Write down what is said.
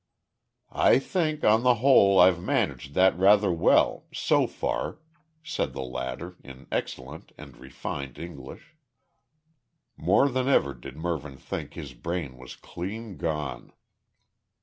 "I think, on the whole, I've managed that rather well so far," said the latter, in excellent and refined English. More than ever did Mervyn think his brain was clean gone.